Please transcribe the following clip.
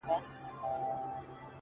• هره لوېشت مي د نيکه او بابا ګور دی,